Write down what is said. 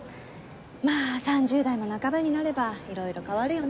まあ３０代も半ばになればいろいろ変わるよね。